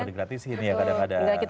suka di gratisin ya kadang kadang